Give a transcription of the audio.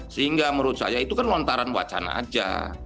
sehingga menurut saya itu kan lontaran wacana aja